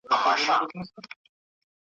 بیهوده د خون تورونه په بل بل ږدي.